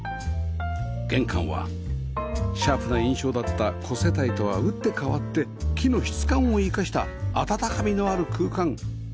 玄関はシャープな印象だった子世帯とは打って変わって木の質感を生かした温かみのある空間